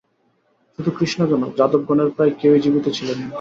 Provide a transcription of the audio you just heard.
শুধু কৃষ্ণ কেন, যাদবগণের প্রায় কেহই জীবিত ছিলেন না।